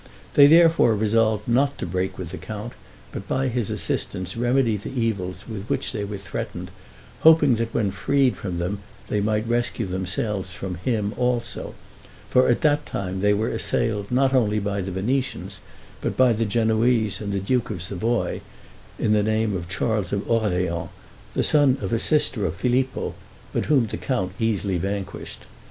They therefore resolved not to break with the count, but by his assistance remedy the evils with which they were threatened, hoping that when freed from them they might rescue themselves from him also; for at that time they were assailed not only by the Venetians but by the Genoese and the duke of Savoy, in the name of Charles of Orleans, the son of a sister of Filippo, but whom the count easily vanquished.